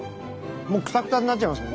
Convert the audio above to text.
もうくたくたになっちゃいますもん。